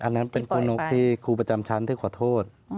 อันนั้นเป็นครูนกที่ครูประจำชั้นที่ขอโทษ